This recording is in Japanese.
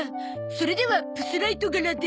それではプスライト柄で。